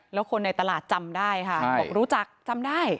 แล้วคนในตลาดจำได้ค่ะบอกรู้จักจำได้